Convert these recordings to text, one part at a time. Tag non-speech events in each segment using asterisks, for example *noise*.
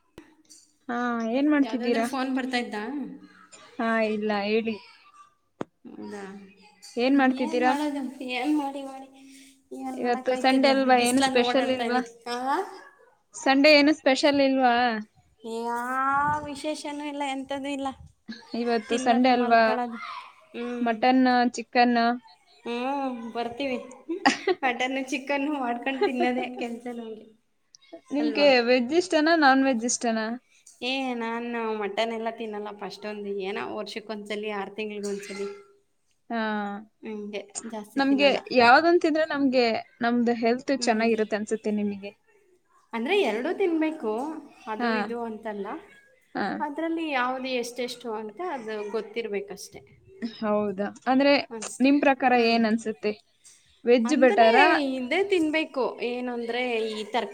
*inaudible* ಹಾ- ಏನ್ ಯಾವ್ದಾದ್ರು ಮಾಡ್ತಿದ್ದೀರಾ ಫೋನ್ ಬರ್ತಾಯ್ತಾ -ಹಾ -ಇಲ್ಲ ಹೇಳಿ ಹೌದಾ ಏನ್ ಮಾಡದ ಏನ್ ಮಾಡಿ ಮಾಡಿ ಏನ್ ಇವತ್ತು ಸಂಡೆ ಮಾಡಕ್ಐತದೆ ಅಲ್ವಾ ಏನು ಬಿಸ್ಲಾನ್ ಸ್ಪೆಷಲ್ ಓಡಾಡ್ತಾ ಇಲ್ವಾ ಇದನಕ್ಕ -ಆ ಸಂಡೆ ಏನು ಸ್ಪೆಷಲ್ ಇಲ್ವಾ‌. ಈ -ಆ- ವಿಶೇಷನೂ ಇಲ್ಲ ಎಂತ್ದೂ ಇಲ್ಲ. ಇವತ್ತು ಸಂಡೆ ತಿನ್ನೋದು ಅಲ್ವಾ ಮಲ್ಕೊಳ್ಳೋದು ಮಟನ್ ಚಿಕನ್. ಹ್ಮ- ಬರ್ತೀವಿ ಮಟನ್ನು ಚಿಕನ್ನು ಮಾಡ್ಕೊಂಡು ತಿನ್ನದೇ ಕೆಲ್ಸ ನಂಗೆ ನಿಮ್ಗೆ ವೆಜ್ ಇಷ್ಟನಾ ನಾನ್ ವೆಜ್ ಇಷ್ಟನಾ. ಏ- ನಾನು ಮಟನ್ ಎಲ್ಲ ತಿನ್ನಲ್ಲಪ್ಪ ಅಷೂಂದು ಏನ ವರ್ಷಕ್ಕ ಒಂದ್ಸಲಿ ಆರು ತಿಂಗಳಗ ಒಂದ್ಸಲಿ. ಹಾ- ನಮ್ಗೆ ತಿನ್ನಲ್ಲ ಯಾವ್ದಂತಿದ್ರೆ ನಮ್ಗೆ ನಮ್ದ ಹೆಲ್ತ್ ಚೆನ್ನಾಗಿರುತ್ತ ಅನ್ಸುತ್ತೆ ನಿಮಗೆ. ಅಂದ್ರೆ ಎರಡು ತಿನ್ಬೇಕು ಅದು ಹಾ ಇದು ಅಂತಲ್ಲ ಹ ಅದ್ರಲ್ಲಿ ಯಾವ ಅದು ಎಷ್ಟೆಷ್ಟು ಅಂತ ಅದು ಗೊತ್ತಿರಬೇಕಷ್ಟೆ. ಹೌದಾ ಅಂದ್ರೆ ನಿಮ್ಮ ಪ್ರಕಾರ ಏನ್ ಅನ್ಸುತ್ತೆ. ವೆಜ್ ಅಂದ್ರೆ ಬೆಟರಾ ಇದೇ ತಿನ್ಬೇಕು ಏನಂದ್ರೆ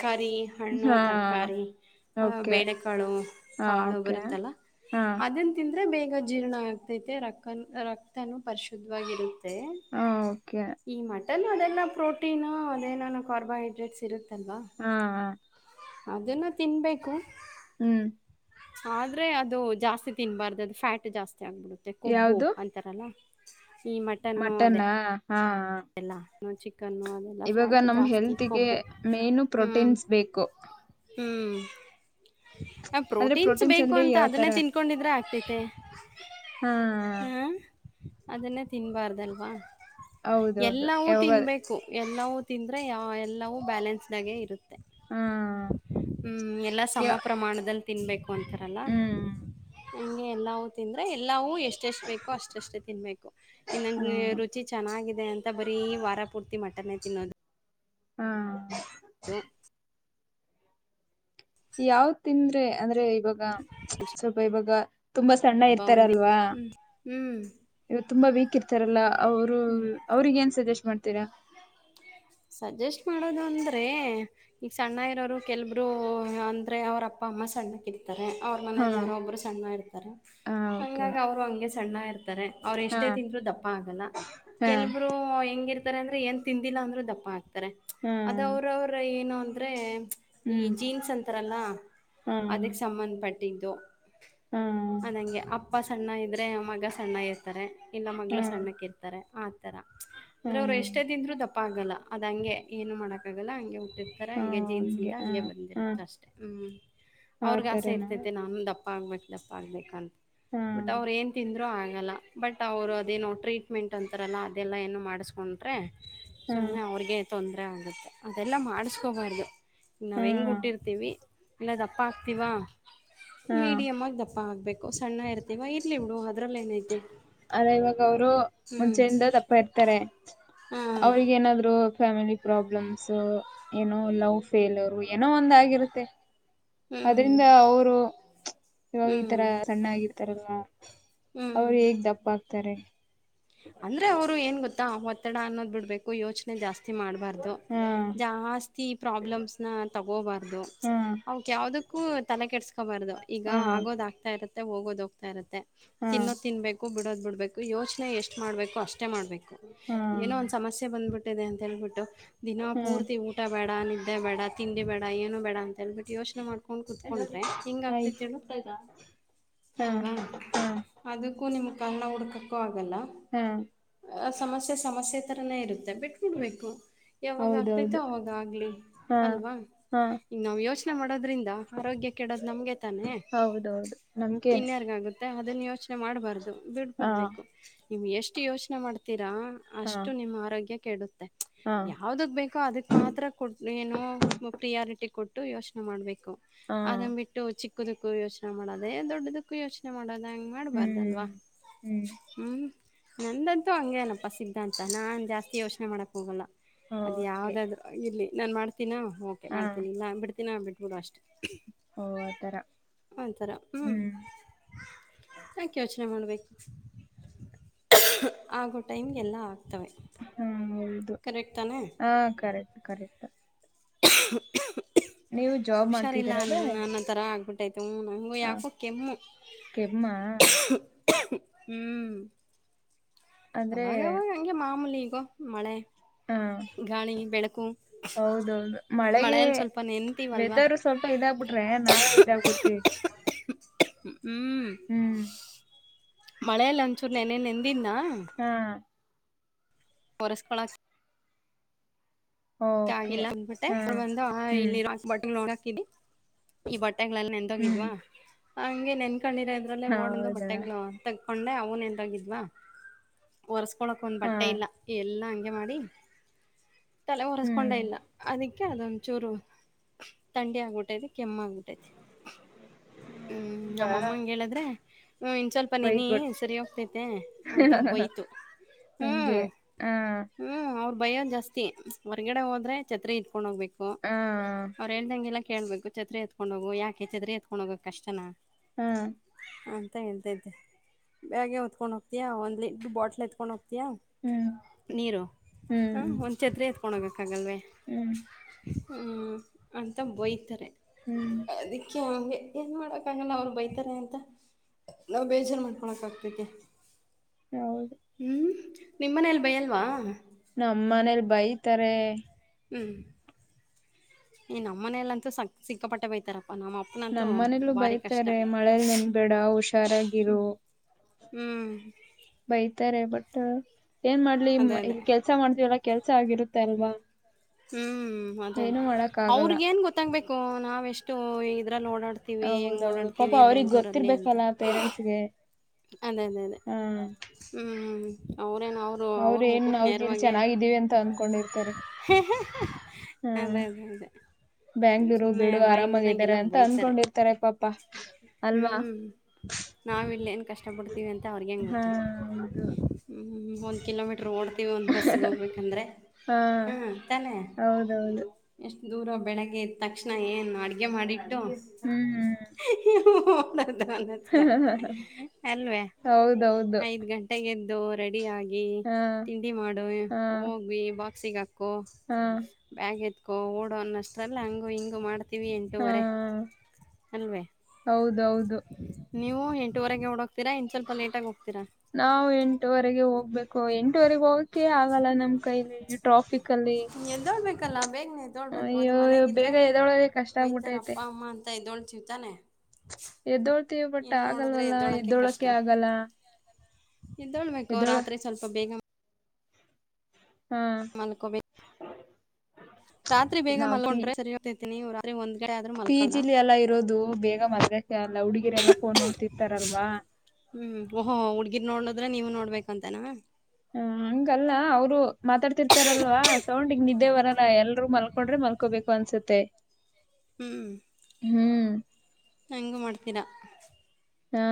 ಕಾರಿ ಹಣ್ಣು ಹಾ ತರಕಾರಿ ಓಕೆ ಬೇಳೆಕಾಳು ಹಾ ಕಾಳು ಓಕೆ ಬರುತ್ತಲ್ಲ ಹಾ ಅದನ್ ತಿಂದ್ರೆ ಬೇಗ ಜೀರ್ಣ ಆಗ್ತೈತೆ ರಕ್ತ ರಕ್ತನ ಪರಿಶುದ್ಧವಾಗಿರುತ್ತೆ. ಹ ಓಕೆ ಈ ಮಟನ್ ಅದೆಲ್ಲ ಪ್ರೋಟೀನು ಅದೇನಾನ ಕಾರ್ಬೋಹೈಡ್ರೇಟ್ಸ್ ಇರುತ್ತೆ. ಹಾ -ಹ ಅದನ್ನು ತಿನ್ಬೇಕು. ಹ್ಮ್ ಆದ್ರೆ ಅದು ಜಾಸ್ತಿ ತಿನ್ಬಾರ್ದು ಅದು ಫ್ಯಾಟ್ ಜಾಸ್ತಿ ಆಗ್ಬಿಡುತ್ತೆ ಕೊಬ್ಬು ಯಾವ್ದು ಅಂತಾರಲ್ಲ. ಈ ಮಟನ್ನು ಅದೇ ಹಾ-ಹಾ ಅದೆಲ್ಲ ಇವಾಗ ಫ್ಯಾಟ್ ನಮ್ ಜಾಸ್ತಿ ಹೆಲ್ತ್ಗೆ ಕೊಬ್ಬು ಮೇನು ಪ್ರೋಟೀನ್ಸ್ ಬೇಕು. ಹ್ಮ್ಮ್ ಹ- ಅಂದ್ರೆ ಪ್ರೋಟೀನ್ಸ್ ಬೇಕು ಅಂದ್ರೆ ಅಂತ ಯಾವ್ ತರ ಅದನ್ನೇ ತಿನ್ಕೊಂಡಿದ್ರೆ ಆಗ್ತತೆ ಹಾ -ಹಾ. ಅದನ್ನೇ ತಿನ್ಬಾರ್ದಲ್ವಾ ಹೌದೌದು ಎಲ್ಲವೂ ಯಾವಾಗ ತಿನ್ಬೇಕು -ಎ ನಾವು ತಿಂದ್ರೆ ಯ ಎಲ್ಲವೂ ಬ್ಯಾಲೆನ್ಸ್ಡ್ ಆಗೆ ಇರುತ್ತೆ. ಹಾ ಹ್ಮ್ -ಎಲ್ಲಾ ಯ ಸಮ ಪ್ರಮಾಣದಲ್ಲಿ ತಿನ್ಬೇಕು. ರಲ್ಲ ಹ್ಮ್ ಹಗೆ ಎಲ್ಲೂ ತಿಂದ್ರೆ ಎಲ್ಲೂ- ಎ ಎಷ್ಟ ಎಷ್ಟ ಬೇಕು ಅಷ್ಟಷ್ಟೇ ತಿನ್ಬೇಕು ಇನ್ನಂಗ ಹ್ಮ್ ರುಚಿ ಚೆನ್ನ. ಅಂತ ಬರೀ ವಾರ ಪೂರ್ತಿ ಮಟನೇ ತಿನ್ನೋದು. ಹಾ ಇದುದು ಯಾವ ತಿಂದ್ರೆ ಅಂದ್ರೆ ಇವಾಗ. ಸ್ವಲ್ಪ ಇವಾಗ ತುಂಬಾ ಸಣ್ಣ ಹಬ್ಬ ಇರ್ತಾರ ಒಂದ ಅಲ್ವಾ ಹ್ಮ್ ಹ್ಮ್ ಇವತ್ತು ತುಂಬಾ ವೀಕ್ ಇರ್ತಾರಲ್ಲ ಅವರು ಅವ್ರಗ ಏನ್ ಸಜೆಸ್ಟ್ ಮಾಡ್ತೀರಾ. ಸಜೆಸ್ಟ್ ಮಾಡೋದು ಅಂದ್ರೆ ಈಗ ಸಣ್ಣ ಇರೋರು ಕೆಲ್ಬರು ಅಂದ್ರೆ ಅವ್ರ ಅಪ್ಪ. ಅಮ್ಮ ಸಣ್ಣರಿ ಅವ್ರ ಹಾ ಮನೇಲಿ ಯಾರೋ ಒಬ್ರು ಸಣ್ಣ ಇರ್ತಾರೆ. ಹ ಓಕೆ ಹಂಗಾಗಿ ಅವರು ಹಗೆ ಸಣ್ಣ ಇರ್ತಾರೆ. ಅವರು ಹಾ ಎಷ್ಟೇ ತಿಂದ್ರು ದಪ್ಪ ಆಗಲ್ಲ ಹಾ ಕೆಲ್ಬರು ಹೆಂಗಿರ್ತಾರೆ ಅಂದ್ರೆ ಏನ್ ತಿಂದಿಲ್ಲ ಅಂದ್ರರು ದಪ್ಪ ಆತಾರೆ ಹಾ ಅದ ಅವ್ರವ್ರ ಏನು ಅಂದ್ರೆ ಈ ಹ್ಮ್ ಜೀನ್ಸ್ ಅಂತಾರಲ್ಲ ಹ್ಮ್ ಅದಕ್ ಸಂಬಂಧಪಟ್ಟಿದ್ದು ಹ ಹ್ಮ್ ನಂಗೆ ಅಪ್ಪ ಸಣ್ಣ ಇದ್ರೆ ಮಗ ಸಣ್ಣ ತ್ತ ಇಲ್ಲ ಮಗಳು ಹ್ಮ್ ಸಣ್ಣಕ್ ಇರ್ತಾರೆ ಆತರ ಅಂದ್ರೆ ಅವರು ಹ್ಮ್ ಎಷ್ಟೇ ದಿಂದ್ರೂ ದಪ್ಪ ಆಗಲ್ಲ ಅದು ಹಂಗೆ ಏನು ಮಾಡೋಕ್ಕಾಗಲ್ಲ ಹಂಗೆ ಹುಟ್ಟಿರ್ತಾರೆ ಹ ಹಂಗೆ ಜೀನ್ಸಿಂದ ಹ ಹಗೆ ಹ ಬಂದಿರುತ್ತೆ ಅಷ್ಟೆ ಹ್ಞ ಅವ್ರಗ್ ಆಸೆ ಆತರನಾ ಇರ್ತತೆ ನಾನು ದಪ್ಪ ಆಗ್ಬೇಕಕ್ ದಪ್ಪ ಆಗ್ಬೇಕಂತ ಹ್ಮ್ ಬಟ್ ಅವ್ರ ಏನ್ ತಿಂದ್ರು ಆ ಆಗಲ್ಲ ಬಟ್ ಅವ್ರು ಅದೇನೋ ಟ್ರೀಟ್ಮೆಂಟ್ ಅಂತಾರಲ್ಲ ಅದೆಲ್ಲ ಏನು ಮಾಡಿಸ್ಕೊಂಡ್ರೆ ಹ್ಮ್ ಗೆ ತೊಂದರೆ ಆಗುತ್ತೆ ಅದೆಲ್ಲ ಮಾಡಿಸ್ಕೋಬಾರ್ದು ಹ್ಮ್ ನಾವವು ಹೆಂಗ್ ಹಾ ಉಟ್ಟಿರ್ತೀವಿ ಎಲ್ಲ ದಪ್ಪ ಹಾಕ್ತಿವಾ ಹಾ ಮೀಡಿಯಮ್ ಆಗ ದಪ್ಪ ಹಾಕ್ಬೇಕು ಸಣ್ಣ ಇರ್ತವ ಇರ್ಲಿ ಬಿಡು ಅದ್ರಲ್ಲಿ ಏನೈತೆ ಅದ ಇವಾಗ ಅವರು ಹ್ಮ್ ಮುಂಚೆಯಿಂದ ತಪ್ಪ ಇರ್ತಾರೆ ಹಾ ಅವ್ರಗ ಏನಾದ್ರು ಫ್ಯಾಮಿಲಿ ಪ್ರಾಬ್ಲಮ್ಸ್ ಏನೋ ಲವ್ ಫೇಲ್ರ್ ಏನೋ ಒಂದ ಆಗಿರುತ್ತೆ ಹ್ಮ್ ಅದ್ರಿಂದ ಅವರು ಇವಾಗ ಈ ತರ ಹ್ಮ್ ಸಣ್ಣಾಗಿರ್ತಾರಲ್ವಾ ಅವ್ರು ಹ್ಮ್ ಹೇಗ್ ದಪ್ಪ ಆಕ್ತಾರೆ ಅಂದ್ರೆ ಅವ್ರು ಏನ್ ಗೊತ್ತಾ ಒತ್ತಡ ಅನ್ನೋದ್ ಬಿಡ್ಬೇಕು ಯೋಚನೆ ಜಾಸ್ ಮಾಡಬಾರ್ದ ಹಾ ಜಾಸ್ತಿ ಪ್ರಾಬ್ಲಮ್ ತೋಗೋಬರ್ಧು ಹಾ ಯಾವದಕ್ಕೂ ತಲೆ ಕೆಟ್ಸ್ಕೋಬಾರ್ದದು ಈಗ ಹಾ ಆಗೋದ ಆಗ್ತಾ ಇರುತ್ತೆ ಹೋಗೋದ ಹೋಗ್ತಾ ಇರುತ್ತೆ ಹಾ ತಿನ್ನೋದ್ ತಿನ್ಬೇಕು ಬಿಡೋದ್ ಬಿಡ್ಬೇಕು ಯೋಚನೆ ಎಷ್ಟ್ ಮಾಡ್ಬೇಕು ಅಷ್ಟು ಇಷ್ಟೇ ಮಾಡಬೇಕು ಹಾ ಏನೋ ಒಂದು ಸಮಸ್ಯೆ ಬಂದ್ಬಿಟ್ಟಿದೆ ಅಂತ ಹೇಳ್ಬಿಟ್ಟು ದಿನ ಹ್ಮ್ ಪೂರ್ತಿ ಊಟ ಬೇಡ ನಿದ್ದೆ ಬೇಡ ತಿಂಡಿ ಬೇಡ ಏನು ಬೇಡ ಅಂತ ಹೇಳ್ಬಿಟ್ಟು ಯೋಚನೆ ಮಾಡ್ ಕಕೊಂಡ್ ಕುೂತ್ಕೊಂಡ್ರೆ ಹೆಂಗ ಆಯ್ ಆಗ್ತಿತಿ ಹೇಳೇಳು ಹಾ ಅಲ್ವಾ ಹಾ ಅದಕ್ಕೂ ನಿಮ್ ಕಲ್ನ ಹುಡ್ಕಕ್ಕೂ ಆಗಲ್ಲ ಹಾ ಆ ಸಮಸ್ಯೆ ಸಮಸ್ಯೆ ತರನೇ ಇರುತ್ತೆ ಬಿಟ್ಬಿಡ್ಬೇಕು ಯಾವಾಗ ಆಗ್ತತೆೋ ಹೌದೌದು ಅವಾಗ ಆಲಿ ಹಾ ಅಲ್ವಾ ಹಾ ನಾವು ಯೋಚನೆ ಮಾಡೋದ್ರಿಂದ ಆರೋಗ್ಯ ಕೆೋದು ನಮಗೆ ತಾನೆ ಹೌದೌದು ನಮ್ಗೇನೆ ಇನ್ಯಾರ್ಗ ಆಗುತ್ತೆ ಯೋಚನೆ ಮಾಡ್ಬಾರ್ದು ಬಿಡ್ ಹಾ ಬಿಡ್ಬೇಕು ನಿಮ್ ಎಷ್ಟು ಯೋಚನೆ ಮಾಡ್ತೀರಿ ಹಾ ಅಷ್ಟು ನಿಮ್ಮ್ ಆರೋಗ್ಯ ಕೆಡುತ್ತೆ ಹಾ ಯಾವದಕ್ ಬೇಕೋ ಅದಕ್ ಮಾತ್ರ ಕೊ ಏನೋ ಪ್ರಿಯಾರಿಟಿ ಕೊಟ್ಟು ಯೋಚನೆ ಮಾಡ್ಬೇಕು ಹಾ ಅದನ್ ಬಿಟ್ಟು ಚಿಕ್ಕದಕ್ಕೂ ಯೋಚನೆ ಮಾಡೋದೇ ದೊಡ್ಡದಕ್ಕೂ ಯೋಚನೆ ಮಾಡದು ಹಂಗೆ ಹ್ಮ್ ಮಾಡಬಾರ್ದಲ್ವಾ ಹ್ಮ್ ಹ್ಞೂ ನಂದಂತೂ ಹಂಗೇ ಅನಪ್ಪಾ ಸಿದ್ಧಾಂತ ನಾನ್ ಜಾಸ್ತಿ ಯೋಚನೆ ಮಾಡಕ್ ಹೋಗಲ್ಲ ಅದ ಹಂಗೆ ಯಾವ್ದಾದ್ರು ಇಲ್ಲಿ ನಾನ್ ಮಾಡ್ತೀನಾ ಓಕೆ ಹಾ ಮಾಡ್ತೀನಿ ಇಲ್ಲ ಬಿಡ್ನಿ ದಿನ ಬಿಟ್ಬೋದು ಅಷ್ಟೇ ಓ ಆತರ ಒಥರ ಹ್ಮ್ ಯಾಕೆ ಯೋಚನೆ ಮಾಡ್ಬೇಕು ಆಗೋ ಟೈಮ್ಗೆಲ್ಲ ಆಗ್ತವೆ ಹಾ ಹೌದು ಕರೆಕ್ಟ್ ತಾನೆ ಹಾ ಕರೆಕ್ಟ್ ಕರೆಕ್ಟ್ ನೀವು ಜಾಬ್ ಹುಷಾರಿಲ್ಲ ಮಾಡ್ತಿದ್ದೀರಲ್ಲ ಅಂದಣ ಅನ್ನ ತರ ಆಗ್ಬಿಟ್ಟ ಹ ಯಕೋ ಕೆ ಕೆಮ್ಮ ಹ್ಮ್ ಅಂದ್ರೆ ಅವಾಗ ಅವವಾಗ ಹಂಗೆ ಮಾಮೂಲಿ ಈಗೋ ಮಳೆ ಹಾ ಗಾಳಿ ಬೆಳಕು ಹೌದೌದು ಮಳೆಗೆ ಮಳೆಯಲ್ಲಿ ಸ್ವಲ್ಪ ನೆಂತೀವಲ್ವಾ ವೆದರ್ ಸ್ವಲ್ಪ ಇದಾಗಬಿಟ ನಾವೇ ಇದಾಗಬಿಡ್ತೀವಿ ಹ್ಮ್ ಮಳೆಲ್ಲ ಒಂಚೂರು ನೆನೆ ನೆಂದಿದ್ನ ಹಾ ಪೊರಸ್ಕಳ ಓಕೆ ಆಗಿಲ್ಲ ಅಂದಬಟ್ಟೆ ಹಾ ಬಂದು ಹ್ಮ್ ಇಲ್ಲಿ ಬ ನೋ ಹಾಕಿ ಈ ಬಟ್ಟ ಬಟ್ಟೆಲ್ಲ ನೆನ್ಂತೋಗಿದ್ವ ಹ್ಮ್ ಹಂಗೆ ನೆನ್ಕೊಂಡಿರೋ ಇದದ್ರಲ್ಲೇ ಓಡಂದು ಹೌದಾ ಬಟ್ಟೆಗಳು ಅಂತ ಹಕೊಂಡೆ ಅವನ್ ಎಂದೋಗಿದ್ವ ಒರ್ಸ್ಕೊಳಕ್ ಒಂದ್ ಹಾ ಬಟ್ಟೆ ಇಲ್ಲ ಎಲ್ಲಾ ಮಾಡಿ ತಲೆ ಹ್ಮ್ ಒರೆಸ್ಕೊಂಡ ಇಲ್ಲ ಅದಕ್ಕೆ ಅದೊಂದಚೂರು ತಂಡಿ ಆಗ್ಬಿಟ್ಟೈತಿ ಕೆಮ್ಮ ಆಗ್ಬಿಟ್ಟೈತಿ ಹೂ ಈಗ ನಮ್ಮಮ್ಮ ಹಂಗ ಹೇಳಿದ್ರೆ ಹೂ ಇನ್ಸಾಲ್ಪನ್ನೀನಿ ಬೈದ್ಬಿಡ್ ಸರಿ ಹೋಗ್ತೈತೆ ಅಂತ ಬೈತು ಹೂ ಹಂಗೆ ಹಾ ಹೂ ಅವ್ರ ಭಯೋ ಜಾಸ್ತಿ ಹೊರ್ಗಡೆ ಹೋದ್ರೆ ಛತ್ರಿ ಇಟ್ಕೊಂಡ್ ಹೋಗ್ಬೇಕು ಹಾ ಅವ್ರು ಹೇಳ್ದಂಗೆಲ್ಲ ಕೇಳ್ಬೇಕು ಛತ್ರೆ ಎತ್ಕೊಂಡ ಹೋಗ ಯಾಕೆ ಛತ್ರಿ ಎತ್ಕೊಂಡ್ ಹೋಗಕ್ ಕಷ್ಟನಾ ಹ ಅಂತ ಹೇಳ್ತಿದ್ದೆ ಬ್ಯಾಗೇ ಹೊತ್ಕೊಂಡು ಹೋಗ್ತೀಯಾ ಒಂದು ಲಿಡ್ಡು ಬಾಟ್ಲ್ ಎತ್ಕೊಂಡುೋಗ್ತೀವಿ ಹ್ಮ್ ನೀರು ಹ ಹ್ಮ್ ಒಂದ್ ಛತ್ರಿ ಎತ್ಕೊಂಡ ಹೋಗು ಹಾಗಲ್ವೇ ಹ್ಮ್ ಅಂತ ಬೈತಾರೆ ಹ್ಮ್ ಅದಕ್ಕೆ ಏನ್ ಮಾಡಕ್ ಆಗಲ್ಲ ಅವ್ರು ಬೈತಾರೆ ಅಂತ ನಾವ್ ಬೇಜಾರ ಮಾಡ್ಕೊಳಕ್ ಆಕ್ಬೇಕ ಹೌದು ಹೂ ನಿಮ್ಮನೇೆಯಲ್ಲಿ ಬೈ ಅಲ್ವಾ ನಮ್ಮ ಮನೇಲಿ ಬೈತಾರೆ ಹೂ ಈ ನಮ್ಮ ಮನೆಯಲ್ಲಂತೂ ಸಕ್ಕ ಸಿಕ್ಕಾಪಟ್ಟೆ ಬೈತಾರ ನಮ್ಮ ಮನೇಲ್ಲೂ ಬೈತಾರೆ ಮಳೇಲ್ ನೆನ್ಬೇಡ ಹುಷಾರಾಗಿರು ಹ್ಮ್ ಬೈತಾರೆ ಬಟ್ ಏನ್ ಮಾಡ್ಲಿ ಅದೇ ಇ ಅದೇ ಕೆಲ್ಸ ಮಾಡತಿವಿ ಎಲ್ಲ ಕೆಲ್ಸ ಆಗಿರುತ್ತೆ ಅಲ್ವಾ ಹ್ಮ್ಹೂ ಅದೇ ಅದೇ ಏನು ಮಾಡಕ್ ಆಗಲ್ಲ ಅವ್ರಗ ಏನ್ ಗೊತ್ತಾಗ್ಬೇಕು ನಾವೆಷ್ಟು ಇದ್ರಲ್ಲಿ ಓಡಾಡ್ತೀವಿ ಹೆಂಗ್ ಹೌದೌದು ಪಾಪ ಓಡಾಡ್ತೀವಿ ಅವ್ರಗ್ ಬೆಂಗಳೂರಲ್ಲಿ ಅಂತ ಗೊತ್ತಿರ್ಬೇಕಲ್ಲ ಪೇರೆಂಟ್ಸ್ಗೆ ಅದೇ ಅದೇ ಅದೇ ಹೂ ಅವ ಅವೇ ಅವರು ಅವ್ರ ಏನ್ ಮುಖಕ್ಕೆ ನಾವ್ ಇಲ್ ನೇರವಾಗಿ ಚೆನ್ನಾಗಿದ್ದೀವಿ ಅಂತ ಅನ್ಕೊಂಡಿರ್ತಾರೆ ಅದೇ ಅದೇ ಅದೇ ಬ್ಯಾಂಗ್ಳೂರು ಸುಮ್ಮನೆ ಬಿಡು ಬಾಯಿಗೆ ಆರಾಮಾಗಾರೆ ಬಂದಂಗೆಲ್ಲ ಅಂತ ಬೈತಾರೆ ಅನ್ಕೊಂಡಿರ್ತಾರೆ ಪಾಪಾ ಅಲ್ವಾ ಯಾವ್ ಇಲ್ಲ ಏನ್ ಕಷ್ಟ ಪಡ್ತೀವಿ ಅಂತ ಅವ್ರಿಗ ಹೆಂಗ ಹಾ ಗೊತ್ತ್ ಹೌದು ಒಂದ್ ಕಿಲೋಮೀಟರ್ ಓಡ್ತೀವಿ ಒಂದು ಬಸ್ಸಿಗೆ ಹೋಗ್ಬೇಕಂದ್ರೆ ಹಾ ಹಾಂ ತಾನೆ ಹೌದೌದು ಎಷ್ಟು ದೂರ ಬೆಳಗ್ಗೆ ತಕ್ಷಣ ಏನ್ ಅಡಿಗೆ ಅ್ಯ ಮಾಡಿಟ್ಟು ಹ್ಮ್ ಹತ್ರರ ಅಲ್ವೇ ಹೌದೌದು ಐದ್ ಗಂಟೆಗೆಂದು ರೆಡಿ ಡಿ ಆಗಿ ಹಾ ತಿಂಡಿ ಮಾಡು ಹಾ ಹೋಗ್ವಿ ಬಾಕ್ಸಿಗೆ ಹಾಕ್ ೋ ಹಾ ಬ್ಯಾಗ್ ಎತ್ಕೋ ಓಡೋನ್ನಷ್ಟಲ್ಲ ಹಂಗ ಹಿಂಗ ಮಾಡ್ ಿವವಿ ಹಾ ಎಂಟೂವರೆ ಅಲ್ವೇ ಹೌದೌದು ನೀವು ಎಂಟೂುವರೆಗೆ ಹೋಡೋಗದ ನಾವು ಎಂಟುವರೆಗೆ ಹೋಗ್ಬೇಕು ಎಂಟು ಎಂಟುವರೆಗೆ ಹೋಗಕೆ ಆಗಲ್ಲ ನಮ್ ಕೈಲಿ ಟ್ರಾಫಿಕ್ ಅಲ್ಲಿ ಎದೋಳ್ಬೇಕಲ್ಲ ಬೇಗನೆ ಎದ್ದೋಳ್ಬೇಕು ಅದು ಅಯ್ಯೋ ಮನೆಗಿದ್ರೆ ಬೇಗ ಎದೊಳೋದೇ ಕಷ್ಟ ಬೈತಾರ ಅಪ್ಪ ಆಗ್ಬಿಟ್ಟೈತೆ ಅಮ್ಮ ಅಂತ ಎದೋಳ್ ಅಂತಾನೆ ಎದ್ದೋಳ್ತೀವಿ ಬಟ್ ಆಗಲ್ವಲ್ಲಾ ಎದ್ದೋಳಕೆ ಆಗಲ್ಲ ಇದೊಳ್ಬೇಕು ಎದ್ದೋಳ ರಾತ್ರಿ ಸ್ವಲ್ಪ ಬೇಗ ಹಾ ಾನಕಬೇಕ ರಾತ್ರಿ ಬೇಗ ನಾವ್ ಪಿ ಮಾಲ್ಕೊಡ್ರೆ ಸರಿಯತತನಿ ಪಿ ಜಿಲಿ ಎಲ್ಲ ಇರೋದು ಬೇಗ ಮಾಲ್ಗಕ್ಕೆ ಅಲ್ಲ ಹುಡುಗಿರೆ ಎಲ್ಲ ಫೋನ್ ನೋಡ್ತಿರ್ತಾರಲ್ವಾ ಹೂ ಓಹೋ ಹುಡ್ಗಿರ್ ನೋಡ್ಲದ್ರ ನೀವು ನೋಡ್ಬೇಕಂತನಾ ಹೂ ಹ ಹಂಗಲ್ಲ ಅವ್ರು ಮಾತಾಡ್ತಿರ್ತಾರಲ್ವಾ ಸೌಂಡಿಗ್ ನಿದ್ದೆವರಲ್ಲ ಎಲ್ರರು ಮಲ್ಕೊಂಡ್ರೆ ಮಲ್ಕೋಬೇಕು ಅನ್ಸ ಮತ್ತೆ ಹೂ ಹ್ಹೂ ಹಂಗ ಮಾಡ್ತೀರ ಹಾ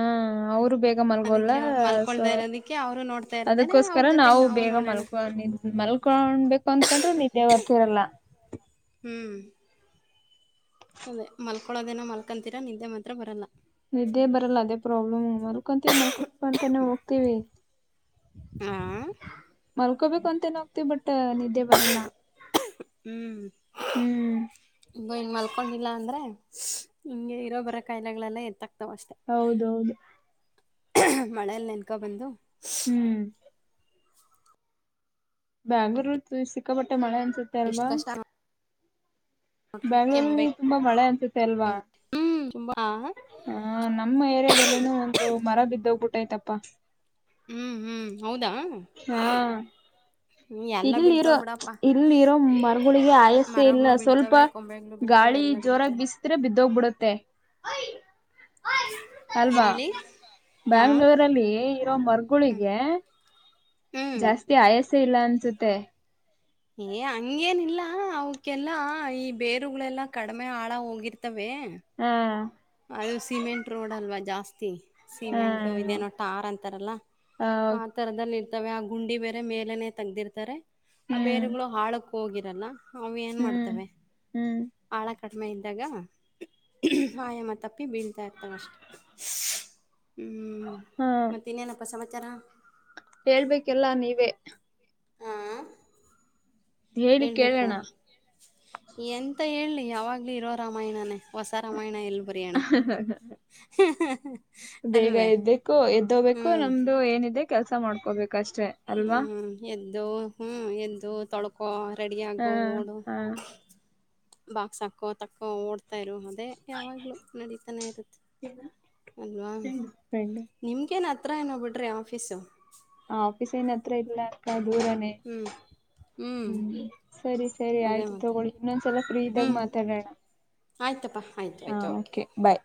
ಅವರು ಬೇಗ ಮಲ್ಗೋಲ್ಲ ಅವ್ರು ಮಲ್ಕೊಳ್ದ ಇರೋದಕ್ಕೆ ಅವರು ನೋಡ್ತಾ ಇರ್ತಾರೆ ಅದೋಸ್ರ ಅವ್ರ ಜೊತೆಗೆ ನಾವು ಬೇಗ ನೋಡೋಣ ಮಲ್ಕೋಲಲ್ಲ ಮಲ್ಕೊಂಡ್ಬೇಕು ಅಂದಕೊಂಡ್ರು ನಿದ್ದೆ ಬರ್ತಿರಲ್ಲ ಹ್ಮ್ ಅದೇ ಮಲ್ಕೊಳೋದೇನ ಮಲ್ಕಂತೀರಾ ನಿದ್ದೆ ಮಾತ್ರ ಬರಲ್ಲ ನಿದ್ದೆ ಬರಲ್ಲ ಅದೇ ಪ್ರಾಬ್ಲಮ್ ಮಲ್ಕೊಂತೀವಿ ಮಲ್ಕೊಕಂತಾನೆ ಹೋಗ್ತೀವಿ ಹೂ ಮಲ್ಕೋಬೇಕು ಅಂತೇನ ಹೋಗ್ತೀವಿ ಬಟ್ ನಿದ್ದೆ ಬರಲ್ಲ ಹ್ಮ್ ಇ ಹ್ಮ್ ಹಂಗ ಮಲ್ಕೊಂಡಿಲ್ಲ ಅಂದ್ರೆ ಹಂಗೆ ಇರೋ ಬರ ಕಾಯಿಲೆಗಳೆಲ್ಲ ಎತ್ತ ಹೌದೌದು ಮಳೆಯಲ್ಲಿ ನೆನ್ಕೊ ಬಂದು ಹ್ಮ್ ಬ್ಯಾಂಗ್ಳೂರ್ ಸಿಕ್ಕಾಪಟ್ಟೆ ಮಳೆ ಅನ್ಸುತ್ತೆ ಎಷ್ಟ್ ಅಲ್ವಾ ಕಷ್ಟ ಕೆಂಬೆ ಬೆಂಗ್ಳೂರ್ಲ್ಲಿ ತುಂಬಾ ಮಳೆ ಅನ್ಸುತ್ತೆ ಅಲ್ವಾ ಹ್ಮ್ ತುಂಬಾ ಹ ನಮ್ಮ ಏರಿಯಾದಲ್ಲಿನ ಒಂದು ಮರ ಬಿದ್ದೋಗ್ಬಿಟ್ಟೈತಪ್ಪ ಹ್ಮ್ ಹ್ಮ್ ಹೌದಾ ಹ್ಮ್ ಎಲ್ಲ ಇಲ್ಲಿ ಇರೋ ಬೀಳ್ತಾವ ಬಿಡಪ್ಪ ಇಲ್ಲಿರೋ ಮರಗಳಿಗೆ ಆಯಸೆ ಮರಗಳು ಇಲ್ಲ ಸ್ವಲ್ಪ ಬೀಳ್ತವೆ ಕೊಂಬೆಗಳು ಗಾ ಬೀಳ್ತವೆ ಳಿ ಎಲ್ಲ ಜೋರಾಗಿ ಬೀಳ್ತವೆ ಬಿಸಿದ್ರೆ ಬಿದ್ದೋಗ್ಬಿಡುತ್ತೆ ಏನ ಅಲ್ವಾ ಹೇಳಿ ಹಾ ಬ್ಯಾಂಗ್ಳೂರಲ್ಲಿ ಇರೋ ಮರಗೊಳಿಗೆ ಹ್ಮ್ ಜಾಸ್ತಿ ಆಯಸ ಇಲ್ಲ ಅನ್ಸುತ್ತೆ ಏ ಹಂಗೇನಿಲ್ಲ ಅವಕ್ಕೆಲ್ಲಾ ಈ ಬೇರುಗಳೆಲ್ಲಾ ಕಡಿಮೆ ಆಳ ಹೋಗಿರ್ತವೆ ಹಾ ಅದು ಸಿಮೆಂಟ್ ರೋಡ್ ಅಲ್ವಾ ಜಾಸ್ತಿ ಸಿಮೆಂಟು ಹ್ಮ್ ಇದೇನೋ ಟಾರ್ ಅಂತಾರಲ್ಲ ಆ ತರದಲ್ಲಿ ಆ ಗುಂಡಿ ಬೇರೆ ಮೇಲೆನೆ ತೆಗ್ದಿರ್ತಾರೆ ಆ ಹ್ಮ್ ಬೇರೆಗಳು ಹಾಳಕ್ಕ ಹೋಗಿರಲ್ಲ ಅವು ಏನ್ ಹ್ಮ್ ಮಾಡ್ತವೆ ಹ್ಮ್ ಆಳ ಕಡಿಮೆ ಇದ್ದಾಗ ಆಯ ಮತ್ತೆ ಬತಾ ಇರ್ತಷ್ಟ ಹ್ಮ ಮತ್ತೆ ಇನ್ನೇನೊಪ್ಪ ಸಮಾಚಾರ ತ್ತರ ಹೇಳ್ಬೇಕೆಲ್ಲ ನೀವೇ ಹಾಂ ಹೇಳಿ ಕೇಳೋಣ ಅಂತ ಹೇಳಿ ಯಾವಾಗಲ ಇರೋ ರಾಮಾಯಣನೇ ಹೊಸ ರಾಮಾಯಣ ಎಲ್ಲಿ ಬರಿಯೋಣ ಬೇಗ ಎದ್ದೇಕು ಎದೋಬೇಕು ಹ್ಞೂ ನಮ್ದು ಏನಿದೆ ಕೆಲ್ಸ ಮಾಡ್ಕೋಬೇಕು ಅಷ್ಟೆ ಅಲ್ವಾ ಹ್ಮ್ ಎದ್ದು ಹ್ಮ್ ಎದ್ದು ತೊಳ್ಕೋ ಹಾ ರೆಡಿಯಾಗು ಓಡು ಹಾ ಬಾಕ್ಸ್ ಹಾಕೋ ತಕ್ಕೋ ಓಡ್ ತಾ ಇರುವುದೇ ಯಾವಾಗ್ಲೂ ನಡೀತಾನೆ ಇರುತ್ತೆ ಅಲ್ವಾ ಫ್ರೆಂಡ್ ನಿಮ್ಗೇನ್ ಹತ್ರ ಏನೋ ಬಿಡ್ರಿ ಆಫೀಸು ಅ ಆಫೀಸ್ ಏನ್ ಅತ್ರ ಇಲ್ಲ ಅಕ್ಕ ದೂರನೆ ಹ್ಮ್ ಹ್ಮ್ ಸರಿ ಸರಿ ಅದೇ ಆಯ್ತು ಮತ್ತೆ ತಗೊಳ್ಳಿ ಇನ್ನೊಂದ್ಸಲ ಫ್ರೀ ಇದಾಗ ಹ್ಮ್ ಮಾತಾಡೋಣ ಆಯ್ತಪ್ಪಾ ಆಯ್ತು ಹಾ ಆಯ್ತು ಓಕೆ ಬಾಯ್